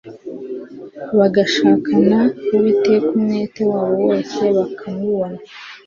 bagashakana Uwiteka umwete wabo wose bakamubona